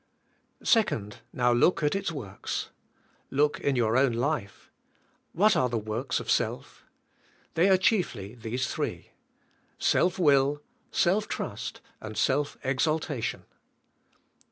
2. Now look at its works. Look in your own life. What are the works of self? They are chiefly these three. Self will, self trust and self exaltation.